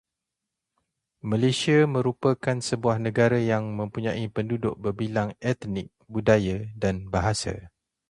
Malaysia merupakan sebuah negara yang mempunyai penduduk berbilang etnik, budaya dan bahasa